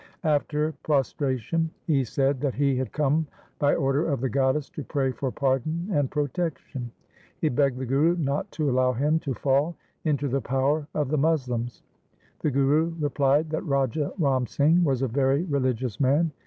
After prostration he said that he had come by order of the goddess to pray for pardon and protection. He begged the Guru not to allow him to fall into the power of the Moslems. The Guru replied that Raja Ram Singh was a very religious man.